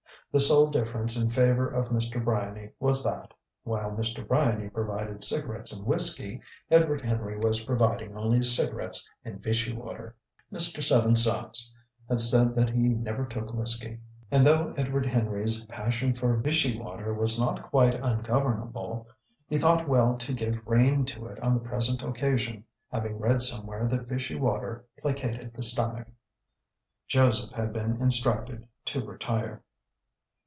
The sole difference in favour of Mr. Bryany was that, while Mr. Bryany provided cigarettes and whisky, Edward Henry was providing only cigarettes and Vichy water. Mr. Seven Sachs had said that he never took whisky; and though Edward Henry's passion for Vichy water was not quite ungovernable, he thought well to give rein to it on the present occasion, having read somewhere that Vichy water placated the stomach. Joseph had been instructed to retire.